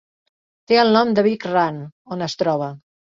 Té el nom de Big Run, on es troba.